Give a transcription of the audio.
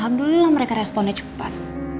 alhamdulillah mereka responnya cepat